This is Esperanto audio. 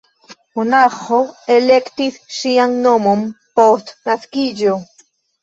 Monaĥo elektis ŝian nomon post naskiĝo.